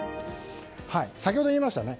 先ほど言いましたよね。